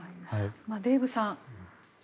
デーブさん